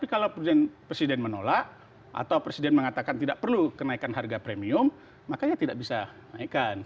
dan presiden menolak atau presiden mengatakan tidak perlu kenaikan harga premium makanya tidak bisa kenaikan